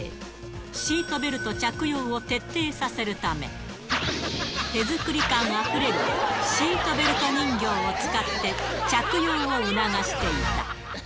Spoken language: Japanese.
シートベルト着用を徹底させるため、手作り感あふれるシートベルト人形を使って、着用を促していた。